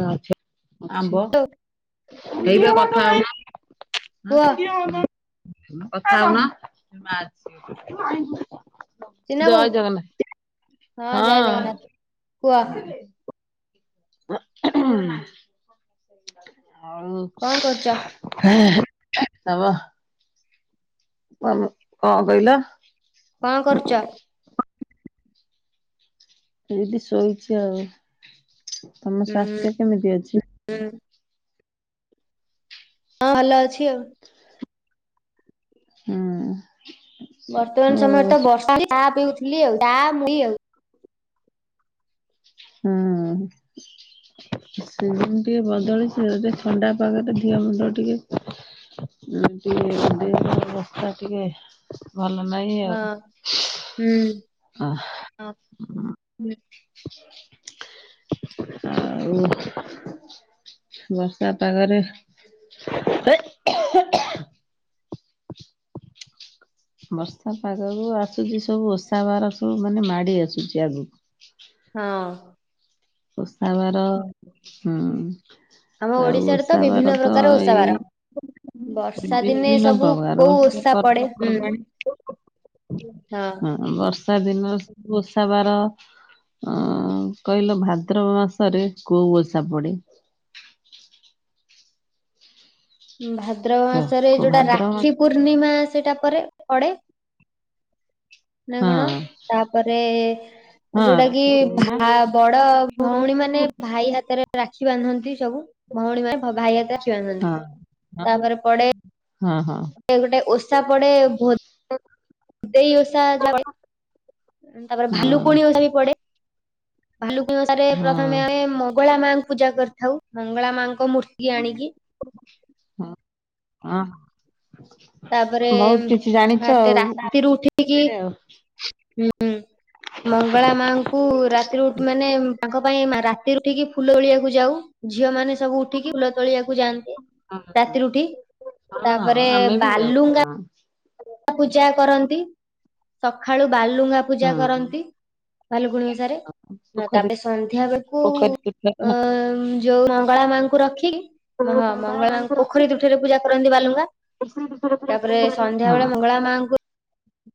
ଆ ଅଛି ଆମ୍ବ ହ୍ୟାଲୋ। ହେଇ ଯୋଉ ହୁଁ କଥା ହେଇ କୁହ କଥା ହଉନ। ଚିନା ବୋଉ ଜୟ ଜଗନ୍ନାଥ ଜୟ ହଁ। ଜଗନ୍ନାଥ କୁହ ହଉ। କଣ କରୁଚ। ନବ। ମ କଁ କହିଲ? କଣ କରୁଛ? ଯଦି ଶୋଇଛି ଆଉ ତମ ହୁଁ ସ୍ୱାସ୍ଥ୍ୟ କେମିତି ଅଛି? ହୁଁ। ହଁ ଭଲ ଅଛି ଆଉ ହୁଁ। ବର୍ତ୍ତମାନ ମୋ ସମୟରେ ତ ବର୍ଷା ଚା ପିଉଥିଲି ଆଉ ଚା ମୁଢ଼ି ଆଉ ହୁଁ। ସି ଟିକେ ବଦଳିଛି ଆଉ ଥଣ୍ଡା ପାଗ ଦିଏ ମୁଣ୍ଡ ଟିକେ ଟିକେ ଅବସ୍ଥା ଟିକେ ଭଲ ନାହିଁ ଆଉ। ହଁ ହୁଁ। ଅ ଆଉ ବର୍ଷା ପାଗରେ ବର୍ଷା ପାଗକୁ ଆସୁଛି ସବୁ ଓଷା ବାର ସବୁ ମାନେ ମାଡି ଆସୁଛି ଆଗକୁ। ହଁ। ଓଷାବାର ହୁଁ। ଆମ ଆଉ ଓଡିଶାରେ ତ ଓଷା ବିଭିନ୍ନ ବାର ତ ପ୍ରକାର ଓଷା ଏଇ ବାର ବର୍ଷା ଦିନେ [unintelligible] ସବୁ କୋଉ ଓଷା ପଡେ ହୁଁ ପର୍ବପର୍ବାଣି। ହଁ ହଁ ବର୍ଷ ବଷା ଦିନରେ ସବୁ ଓଷା ବାର ଅ କହିଲ ଭା ଭାଦ୍ରବ ମାସରେ କୋଉ ଓଷା ପଡେ? ଭାଦ୍ର କୁହ? ମାସରେ କୋଉ ଯୋଉଟା ଭାଦ୍ରବ ମାସ? ରାକ୍ଷୀ ପୂର୍ଣ୍ଣିମା ସେଟା ପରେ ପଡେ। ନା କଣ ହଁ ତାପରେ ହଁ ଯୋଉଟା କି ରାକ୍ଷୀ ପୂର୍ଣ୍ଣିମା ଭା ବଡ ଭଉଣୀ ମାନେ ଭାଇ ହାତରେ ରାଖି ବାନ୍ଧନ୍ତି ସବୁ ଭଉଣୀ ମାନେ ଭାଇ ହାତରେ ରାଖି ବାନ୍ଧନ୍ତି। ହଁ। ତାପରେ ପଡେ ହଁ ହଁ। ଗୋଟେ ଓଷା ପଡେ ଭୋ ଦେଇ ଓଷା ଯାଗେ। ତାପରେ ହଁ ଭାଲୁକୁଣି ଓଷା ବି ପଡେ ଭାଲୁକୁଣି ଓଷାରେ ପ୍ରଥମେ ଆମେ ହଁ ମଙ୍ଗଳା ମାଙ୍କୁ ପୂଜା କରିଥାଉ ମଙ୍ଗଳା ମାଙ୍କ ମୂର୍ତ୍ତି ଆଣିକି ହଁ ହ। ତାପରେ ଫାଷ୍ଟ ରାତିରୁ ଉଠିକି ହୁଁ ମଙ୍ଗଳା ମାଙ୍କୁ ରାତିରୁ ମାନେ ତାଙ୍କ ପାଇଁ ରାତିରୁ ଉଠିକି ଫୁଲ ତୋଳିଆକୁ ଯାଉ ଝିଅ ମାନେ ସବୁ ଉଠିକି ଉଲ ତୋଳିିବାକୁ ଯାଆନ୍ତି ଆଉ। ରାତିରେ ଉଠି ହଁ ତାପରେ ଆମେ ବି ଯାଉ ବାଲୁଙ୍ଗା ହଁ ପୂଜା କରନ୍ତି ସକାଳୁ ବାଲୁଙ୍ଗା ପୂଜା ହଁ କରନ୍ତି। ଭାଲୁ କୁଣିଓଷାରେ ପୋଖରୀ ତାପରେ ସନ୍ଧ୍ୟା ବେଳକୁ ପୋଖରୀ ତୁଠରେ ଅ ହଁ ଯୋଉ ମଙ୍ଗଳା ମାଙ୍କୁ ରଖି ହଁ ଡଙ୍ଗା ମଙ୍ଗଳା ମାନଙ୍କୁ ମାଙ୍କୁ ପୋଖରୀ ରଖିକି ତୁଠରେ ପୂଜା କରନ୍ତି ବାଲୁଙ୍ଗା [inaudible] ଯାହାବେଳେ ମଙ୍ଗଳା ମାଙ୍କୁ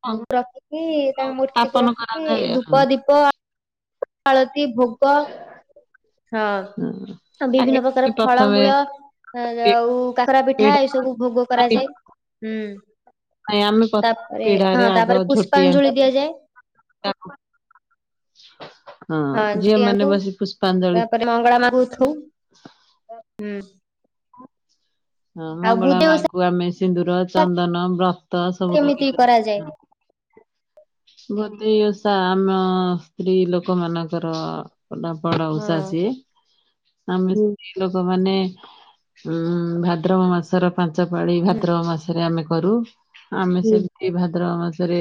ହଁ। ରଖିକି ତାଙ୍କ ମୂର୍ତ୍ତି କୁ ସ୍ଥାପନ ରଖିକି କରାଯାଏ ହଁ ଧୂପ ଦୀପ ହଁ ଆଳତି ଭୋଗ ହଁ। ହଁ ଆଗେ ବିଭିନ୍ନ ପ୍ରକାର ପ୍ରଥମେ ଫଳମୂଳ ପି- ଆଉ କାକରା ପିଠା ପିଢା ଏଇ ସବୁ ଭୋଗ କରାଯାଏ। ହୁଁ, ନାଇଁ ଆମେ ପ୍ରଥମ ତାପରେ ହଁ ପିଢାରେ ତାପରେ ପୁଷ୍ପାଞ୍ଜଳି ଦିଆଯାଏ। ତାକୁ ହଁ ଝିଅମାନେ ବସି ପୁଷ୍ପାଞ୍ଜଳି ଏ ମଙ୍ଗଳ ମା କୁ ଉଠଉ, ହୁଁ, ହଁ ଆଉ ମଙ୍ଗଳା ଭୂଦେଇ ଓଷା ମାଙ୍କୁ ଆମେ ସିନ୍ଦୁର, ଚନ୍ଦନ, ବ୍ରତ ସବୁ ଲଗେଇ କେମିତି ଦଉ, କରାଯାଏ ହଁ। ଭୋଦେଇ ଓଷା ଆମ ସ୍ତ୍ରୀ ଲୋକ ମାନଙ୍କର ଗୋଟେ ବଡ ହଁ ଓଷା ସିଏ। ଆମେ ସବୁ ସ୍ତ୍ରୀ ଲୋକମାନେ ଉଁ, ଭାଦ୍ରବ ମାସର ପାଞ୍ଚ ପାାଳି ହୁଁ ଭାଦ୍ରବ ମାସରେ ଆମେ କରୁ। ଆମେ ସେମତି ଭାଦ୍ରବ ମାସରେ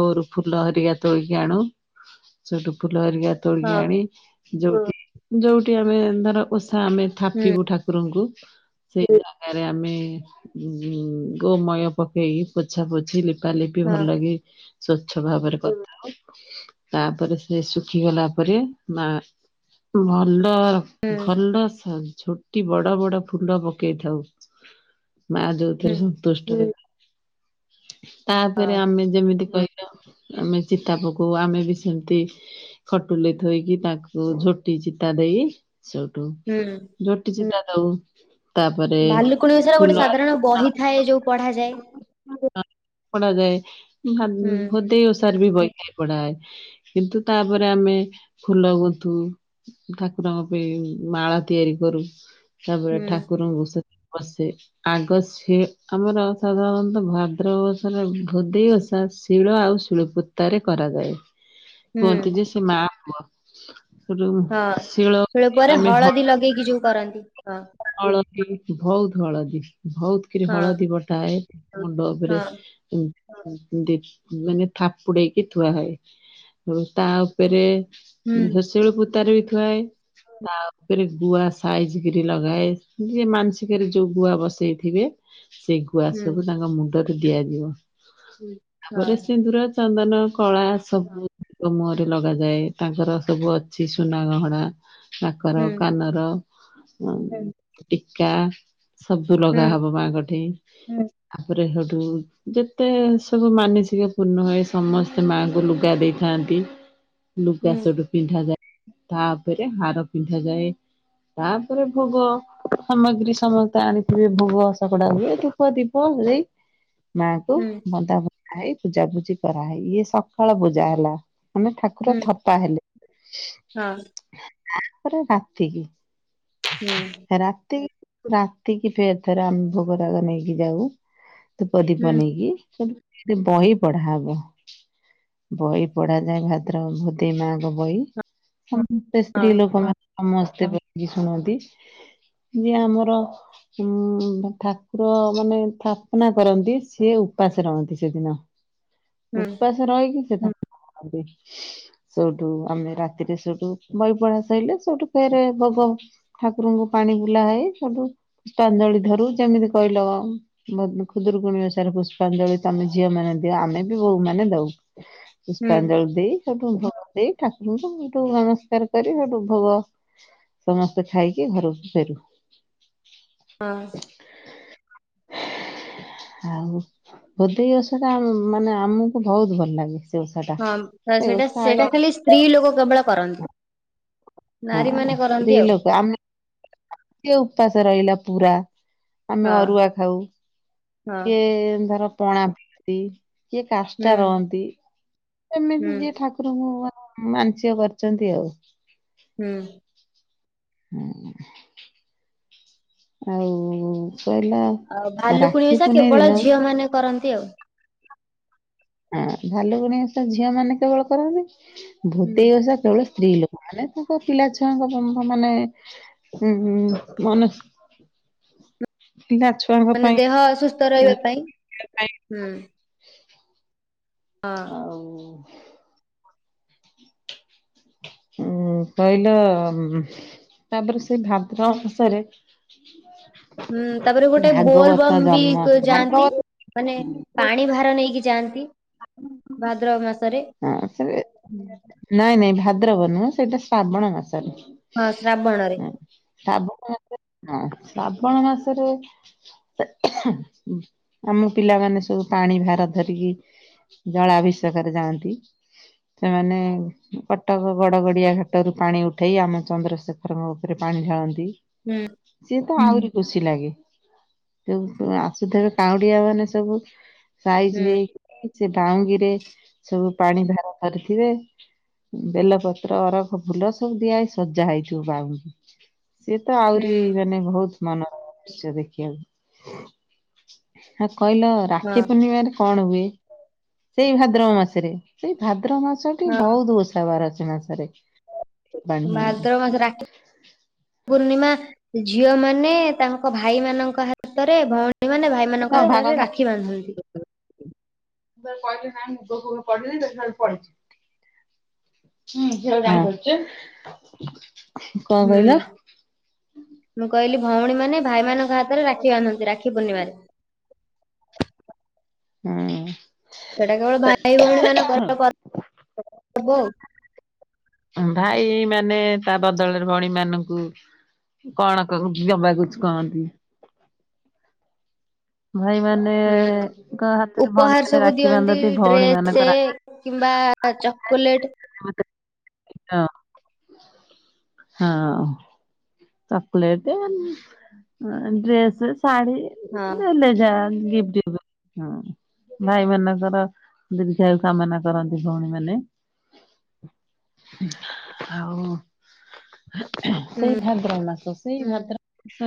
ବୋରୁ ଫୁଲ ହେରିକା ତୋଳିକି ଆଣୁ, ସେଇଠୁ ଫୁଲ ହେରିକା ହଁ ତୋଳିକି ଆଣି, ଯୋଉ ଯୋଉଟି ଆମେ ଧର ଓଷା ଆମେ ହୁଁ ଥାପିବୁ ଠା କୁରଙ୍କୁ ସେଇ [inaudible] ଟାରେ ଆମେ ଉଁ, ଗୋମୟ ପକେଇକି ପୋଛା ପୋଛି ଲି ପା ଲିପି ହଁ ଭଲକି ସ୍ଵଚ୍ଛ ଭାବରେ କରଥାଉ। ତାପରେ ସେ ଶୁଖି ଗଲା ପରେ। ମା ଭଲ ହୁଁ ଭଲ ସେ ଝୁଟି ବଡ ବଡ ଫୁଲ ପକେଇଥାଉ। ମା ହୁଁ ଯୋଉଥିରେ ସନ୍ତୁଷ୍ଟ। ତାପରେ ଆମେ ଯେମିତି କ ଆମେ ଚିତା ପକଉ ଆମେ ବି ସେମତି ଖଟୁଲି ଥୋଇକି ତାକୁ ଝୋଟି ଚିତା ଦେଇ ସେଉଠୁ ହୁଁ ଜୋଟି ଚିତା ଦଉ, ତାପରେ କୁଣି ସାରା ଗୋଟେ ସାଧାରଣ ବହିଥାଏ, ଯୋଉ ପଢାଯା [inaudible] ପଢାଯାଏ, ଭା ହୁଁ ଭୋଦେଇ ଓଷାର ବି ବହି ଟେ ପଢାଏ। କିନ୍ତୁ ତାପରେ ଆମେ ଫୁଲ ଗୁନ୍ଥୁ। ଠାକୁରଙ୍କ ପାଇଁ ମାଳ ତିଆରି କରୁ। ତାପରେ ହୁଁ ଠାକୁରଙ୍କୁ ସେ ବସେ ଆଗ ସିଏ ଆମର ସାଧାରଣତଃ ଭାଦ୍ରବ ମାସରେ ଭୋଦେଇ ଓଷା ଶିଳ ଆଉ ଶିଳପତାରେ କରାଯାଏ। ହୁଁ କୁହନ୍ତି ଯେ ସେ ମା ପୁଅ। ସେଠୁ ହଁ ଶିଳ ପୁଆରେ ଆମେ ହ ହଳଦୀ ଲଗେଇକି ଯୋଉ କରନ୍ତି ହଁ। ହଳଦୀ ଭଉତୁ ହଳଦୀ ଭଉତୁ କିରି ହଁ ହଳଦୀ ବଟା ଅଏ। ମୁଣ୍ଡ ଉପରେ ହଁ ଉ, ମୁଣ୍ଡେ ମାନେ ଥାପୁଡେଇକି ଥୁଆ ହଏ। ପୁଣି ତା ଉପରେ ହୁଁ ଉଁ, ସେ ଶିଳପୁତାରେ ବି ଥୁଆହଏ, ତା ଉପରେ ଗୁଆ ସାଇଜ କିରି ଲଗ ଗାଏ, ଯିଏ ମାନସିକରେ ଯୋଉ ଗୁଆ ବସେଇଥିବେ ସେ ଗୁଆ ହୁଁ ସବୁ ତାଙ୍କ ମୁ ଣ୍ଡରେ ଦିଆଯିବ, ହଁ ତାପରେ ସିନ୍ଦୁର, ଚନ୍ଦନ, କଳା ସବୁ ଓ ମୁହଁରେ ଲଗାଯାଏ, ତାଙ୍କର ସବୁ ଅଛି ସୁନା ଗହଣା ନାାକର ହୁଁ କାନର ମାଙ୍କୁ ଟିକା ସବୁ ହୁଁ ଲଗା ହବ ମାଙ୍କଠି। ଆ ପରେ ହେଉଠୁ ଯେତେ ସବୁ ମାନସିକ ପୂର୍ଣ୍ଣ ହଏ ସମସ୍ତେ ମାଙ୍କୁ ଲୁଗା ଦେଇଥାନ୍ତି। ଲୁଗା ହୁଁ ସେଠୁ ପିନ୍ଧା ଯାଏ। ତାପରେ ହାର ପିନ୍ଧା ଯାଏ। ତା ପରେ ଭୋଗ ସାମଗ୍ରୀ ସମସ୍ତେ ଆଣିଥିବେ, ଭୋଗ ସଗଡା ହୁଏ। ଧୂପ, ଦୀପ ବୁଲେଇ ମାଙ୍କୁ ହୁଁ ବନ୍ଦା ଫନ୍ଦା ହେଇ, ପୂଜାପୂଜି କରାହେଇ, ଇଏ ସକାଳ ପୂଜା ହେଲା। ଆମେ ଠାକୁର ହୁଁ ଥପା ହେଲେ, ହଁ ତାପରେ ରାତିକି ହୁଁ। ରାତି ରାତିକି ଫେର୍ ଥରେ ଆମେ ଭୋଗ ରାଗ ନେଇକି ଯାଉ। ଧୂପ ଦୀପ ହୁଁ ନେଇକି ସେଠି [unintelligible] ବହି ପଢ଼ାହବ। ବହି ପଢ଼ାଯାଏ ଭାଦ୍ରବ ଭୋଦେଇ ମାଆଙ୍କ ବହି। ସମସ୍ତେ ସ୍ତ୍ରୀ ଲୋକମାନେ ସମସ୍ତେ [unintelligible] ଶୁଣନ୍ତି, ଯିଏ ଆମର ଉଁ ଠାକୁର ମାନେ ଥାପନା କରନ୍ତି, ସିଏ ଉପାସ ରହନ୍ତି ସେଦିନ। ହୁଁ ଉପାସ ରହିକି ସେଦିନ [unintelligible] ସୋଉଟୁ ଆମେ ରାତିରେ ସୋଉଟୁ ବହି ପଢ଼ା ସଇଲେ, ସୋଉଟୁ ଫେରେ ଭୋଗ ଠାକୁରଙ୍କୁ ପାଣି ବୁଲା ହେଇ ସୋଉଟୁ ପୁଷ୍ପାଞ୍ଜଳି ଧରୁ, ଯେମିତି କହିଲ ଖୁଦୁରୁକୁଣୀ ଓଷାରେ ପୁଷ୍ପାଞ୍ଜଳି ତମେ ଝିଅ ମାନେ ଦଅ, ଆମେ ବି ବୋହୂମାନେ ଦଉ। ପୁଷ୍ପାଞ୍ଜଳି ଦେଇ ସୋଉଟୁ ଭୋଗ ଦେଇ ଠାକୁରଙ୍କୁ ସୋଉଟୁ ନମସ୍କାର୍ କରି, ଭୋଗ ସମସ୍ ତେ ଖାଇକି ଘରୁକୁ ଫେରୁ। ହଁ। ଆଉ ଭୋଦେଇ ଓଷା ଟା ମାନେ ଆମୁକୁ ଭଉତ୍ ଭଲ୍ ଲାଗେ। ସେ ଓଷା ଟା। ହଁ, ସେ ଓଷା ସେଟା-ସେଟା ଆଇଲେ ଖାଲି ସ୍ତ୍ରୀ ଲୋକ କେବଳ କରନ୍ତି। ହଁ ନାରୀମାନେ କରନ୍ତି ଆଉ। ସିଏ ଉପାସ ରହିଲା ପୁରା। ଆମେ ହଁ ଅରୁଆ ଖାଉ, ହଁ କିଏ ଧର ପଣା ପିଇଦିଏ। କିଏ ହୁଁ କାଷ୍ଟ ରହନ୍ତି, ହୁଁ ଏମିତି ଯିଏ ଠା କୁରଙ୍କୁ ମାନେ ମାନସିକ କରିଚନ୍ତି ଆଉ। ହୁଁ। ହୁଁ। ଆଉ କହିଲା ଭାଲୁକୁଣି ରାକ୍ଷୀ ଓସା ପୁନେଇ କେବଳ ଦିନ ହଁ ଝିଅମାନେ କରନ୍ତି ଆଉ। ହଁ ଭାଲୁକୁଣୀ ଓଷା ଝିଅମାନେ କେବଳ କରନ୍ତି, ହୁଁ ଭୁଦେଇ ଓଷା କେବଳ ସ୍ତ୍ରୀ ଲୋକମାନେ ତାଙ୍କ ପିଲା ଛୁଆଙ୍କ ମାନେ ଉଁ ମାନ ସି [inaudible] ମାନେ ଦେହ ଅସୁସ୍ଥ ରହିବା ମାନେ ପାଇଁ? ହଁ। ଆଉ ଉଁ କହିଲ ତାପରେ ସେଇ ଭାଦ୍ରବ ମାସେରେ ହୁଁ, ତାପରେ ଗୋଟେ ଭାଗବତ ବୋଲବମ୍ ବି ଜନ୍ମ ଯାଆନ୍ତି। ଭାଗବତ ମାନେ ପାଣି ଭାର ମାନେ ନେଇକି ଯାଆନ୍ତି, ଭାଦ୍ରବ ମାସରେ। ହଁ ସେ ନାଇଁ-ନାଇଁ ଭାଦ୍ରବ ନୁହଁ ସେଇଟା ଶ୍ରାବଣ ମାସରେ। ହଁ, ଶ୍ରାବଣରେ। ହଁ। ଶ୍ରାବଣ ମାସେରେ [unintelligible] ଶ୍ରାବଣ ମାସେରେ ଆମ ପିଲାମାନେ ସବୁ ପାଣି ଭାର ଧରିକି ଜଳାଭିଷେକରେ ଯାଆନ୍ତି, ସେମାନେ କଟକ ଗଡ଼ଗଡ଼ିଆ ଘାଟରୁ ପାଣି ଉଠେଇ ଆମ ଚନ୍ଦ୍ର ଶେଖରଙ୍କ ଉପରେ ପାଣି ଢାଳନ୍ତି। ହୁଁ। ସିଏତ ଆହୁରି ଖୁସି ଲାଗେ। [unintelligible] ଆସୁଥେବେ କାଉଁଡିଆ ମାନେ ସବୁ ସାଇଜ୍ ହୁଁ ହେଇକି ସେ ବାଉଙ୍ଗିରେ ସବୁ ପାଣି ଭାର ଧରିଥିବେ। ବେଲପତ୍ର ଅରଖ ଫୁଲ ସବୁ ଦିଆ ହେଇ ସଜା ହେଇଥିବ ବାଉଙ୍କୁ। ସିଏ ତ ହୁଁ ଆହୁରି ମାନେ ଭଉତ୍ ମନ ଦୃଶ୍ୟ ଦେଖିବାକୁ ଆ କହିଲ ହଁ ରାକ୍ଷୀ ପୂର୍ଣ୍ଣିମାରେ କଣ ହୁଏ ସେଇ ଭାଦ୍ରବ ମାସରେ ସେଇ ଭାଦ୍ର ମାସ ଟି ହଁ ଭଉତ ଓ ସା ବାର ସେ ସେମାରେ। ଭାଦ୍ରବ ମାସ ରାକ୍ଷୀ [inaudible] ପୂର୍ଣ୍ଣିମା ଝିଅ ମାନେ ତାଙ୍କ ଭାଇ ମାନଙ୍କ ହାତରେ ଭଉଣୀ ମାନେ ଭାଇ ସେତ ସେମାନଙ୍କ ଅଭା ହାତରେ କଥା। ରାକ୍ଷୀ ବାନ୍ଧନ୍ତି। ମୁ ତାକୁ କହିଲି ନା ମୁଗ ଫୁଗ ପଡିନି ଦେଖିଲା ବେଳକୁ ପଡିଛି। ନିଯେ ଗାଉଛୁ। ହୁଁ ମୁଁ କହିଲି ଭଉଣୀ ମାନେ ଭାଇମାନ ଙ୍କ ହାତରେ ରାକ୍ଷୀ ବାନ୍ଧନ୍ତି ରାକ୍ଷୀ ପୂର୍ଣିମାରେ। ହୁଁ। ସେଇଟା କେବଳ ଭାଇ ଭଉଣୀ ମାନଙ୍କର ପର୍ବ ଆଉ। ଭାଇ ମାନେ ତା ବଦଳରେ ଭଉଣୀ ମାନଙ୍କୁ କଣ କହୁ ଦବାକୁଛି କହନ୍ତି। ଭାଇ ହୁଁ ମାନଙ୍କ ହାତରେ ଭଉଣୀ ଉପହାର ମାନେ ସବୁ ରାକ୍ଷୀ ଦିଅନ୍ତି ବାନ୍ଧନ୍ତି ଭଉଣୀ ମାନଙ୍କ ଡ୍ରେସ ରାକ୍ଷୀ କିମ୍ବା ଆ ଚକୋଲେଟେ। [unintelligible] ହଁ ହଁ। ଚକୋଲେଟ ଉଁ ଡ୍ରେସ୍ ଶାଢୀ ହଁ। ଦେଲେ ଯାହା ଗିପ୍ଟ [unintelligible] ହୁଁ। ଭାଇ ମାନଙ୍କର ଦୀର୍ଘାୟୁ କାମନା କରନ୍ତି ଭଉଣୀ ମାନେ। ଆଉ [unintelligible] ହୁଁ ସେଇ ଦ୍ର ମାସ ସେଇ ଭାଦ୍ର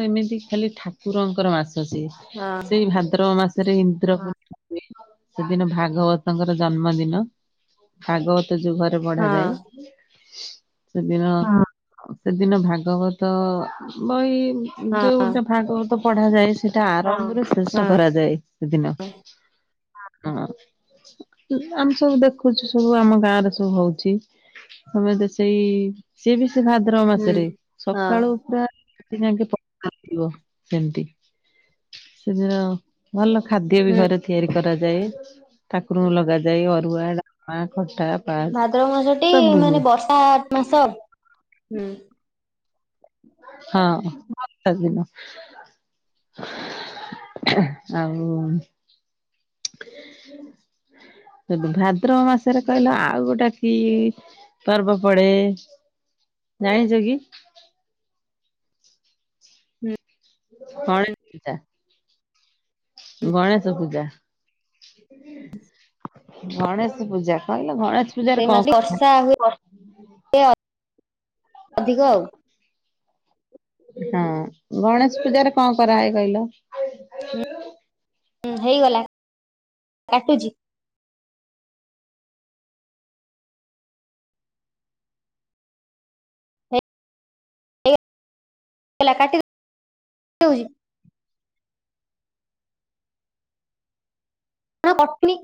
ଏମିତି ଖାଲି ଠାକୁରଙ୍କର ମାସ ସିଏ। ହଁ ସେଇ ଭାଦ୍ରବ ମାସରେ ଇନ୍ଦ୍ର ହଁ ହୁଏ। ସେଦିନ ଭାଗବତଙ୍କର ଜନ୍ମଦିନ ଭାଗବତ ଯୋଉ ଘରେ ହଁ ବଢାଯାଏ ସେଦିନ ହଁ ସେଦିନ ଭାଗ ଭାଗବତ ବହି ହଁ ଯୋଉଟା ଭାଗବତ ପଢା ଯାଏ ସେଟା ଆରମ୍ଭରୁ ସେ ସେସ ହଁ କରାଯାଏ ସେଦିନ ଭାଗ ହଁ। ହେଲେ ଆମେ ସବୁ ଦେଖୁଛୁ ସବୁ ଆମ ଗାଁରେ ସବୁ ହଉଛି। ସମତେ ସେଇ ସିଏ ବି ସେ ଭାଦ୍ରବ ହୁଁ। ମାସରେ ହଁ ସକାଳୁ [unintelligible] ସେମିତି। ସେଦିନ ଭଲ। ଖାଦ୍ୟ ବି ହୁଁ ଘରେ ତିଆରି କରାଯାଏ ଠାକୁରଙ୍କୁ ଲଗାଯାଏ ଅରୁଆ ଡାଲମା ଖଟା ପାସ୍ ଭାଦ୍ରବ ମାସଟି ସବୁ ହୁଏ ମାନେ ବର୍ଷା ମାସ ହୁଁ। ହଁ ଲାଗିବ। ଏହେଁ ଆଉ ସେବ୍ ଭାଦ୍ରବ ମାସରେ କହିଲ ଆଉ ଗୋଟା କି ପର୍ବ ପଡେ ଜାଣିଛ କି? ହୁଁ। କଣ ଏଟା? ଗଣେଶ ପୂଜା। ଗଣେଶ ପୂଜା କହିଲେ ଗଣେଶ ପୂଜାରେ ସେ କଣ ମାସ ବର୍ଷା କଣ? ହୁଏ ଅଧିକ ଆଉ। ହଁ ଗଣେଶ ପୂଜାରେ କଣ କରାଏ କହିଲ? ହୁଁ ହେଇଗଲା କାଟୁଚି। ହେଲା କାଟି ଦୋଉଚି। ନା କଟୁନି